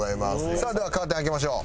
さあではカーテン開けましょう。